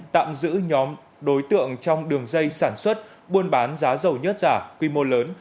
tạm giữ nhóm đối tượng trong đường dây sản xuất buôn bán giá dầu nhất giả quy mô lớn